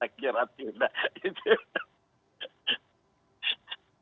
hahaha akhirnya tidak